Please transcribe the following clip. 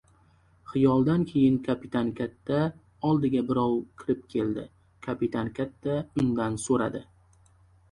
Xiyoldan keyin kapitan katta oldiga birov kirib keldi. Kapitan katta undan so‘radi.